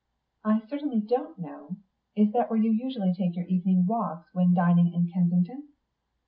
"I certainly don't know. Is that where you usually take your evening walks when dining in Kensington?"